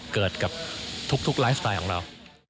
เกิดกับทุกไลฟ์สไตล์ของเรา